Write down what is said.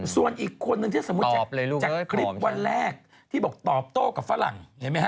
ส่วนอีกคนนึงที่ดูช่างคลิปวันแรกที่บอกตอบโต๊ะกับฝรั่ง